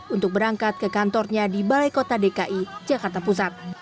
untuk berangkat ke kantornya di balai kota dki jakarta pusat